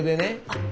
あっ